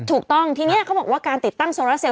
ถูกต้องทีนี้เขาบอกว่าการติดตั้งโซราเซล